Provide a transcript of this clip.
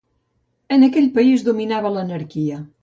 En aquell país dominava l'anarquia.